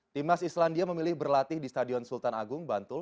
timnas islandia memilih berlatih di stadion sultan agung bantul